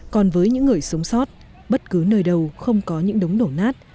còn với những người sống sót bất cứ nơi đâu không có những đống đổ nát